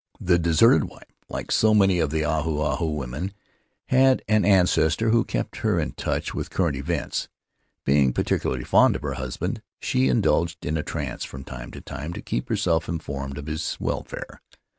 The deserted wife, like so many of the Ahu Ahu women, had an ancestor who kept her in touch with current events. Being particularly fond of her husband, she indulged in a trance from time to time, to keep herself informed as to his welfare.